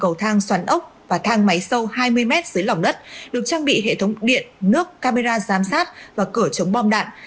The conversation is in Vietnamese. các đường hầm có lối lên xuống bằng cầu thang xoắn ốc và thang máy sâu hai mươi mét dưới lỏng đất được trang bị hệ thống điện nước camera giám sát và cửa chống bom đạn